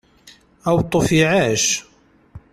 Aweṭṭuf iεac!